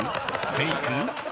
フェイク？］